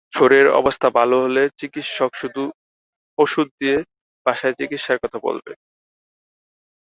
শরীরের অবস্থা ভালো হলে চিকিৎসক ওষুধ দিয়ে বাসায় চিকিৎসার কথা বলবেন।